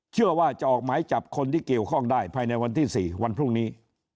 เชื่อว่าจะออกหมายจับคนที่เกี่ยวข้องได้ภายในวันที่๔วันพรุ่งนี้